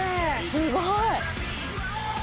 すごい。